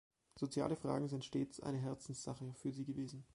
Soziale Fragen sind stets eine Herzenssache für Sie gewesen.